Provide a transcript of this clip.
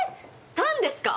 タンです。